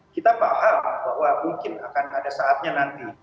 kita paham bahwa mungkin akan ada saatnya nanti